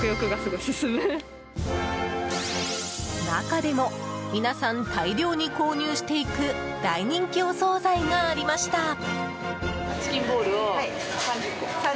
中でも、皆さん大量に購入していく大人気お総菜がありました。